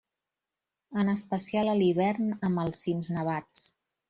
En especial a l'hivern, amb els cims nevats.